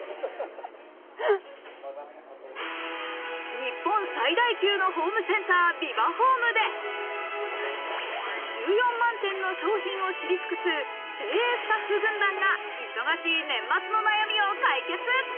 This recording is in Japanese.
日本最大級のホームセンター、ビバホームで１４万点の商品を知り尽くす、精鋭スタッフ軍団が忙しい年末の悩みを解決。